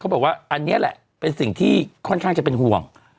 บอกว่าอันนี้แหละเป็นสิ่งที่ค่อนข้างจะเป็นห่วง